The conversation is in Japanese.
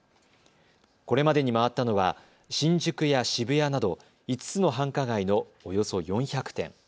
これまでに回ったのは新宿や渋谷など５つの繁華街のおよそ４００店。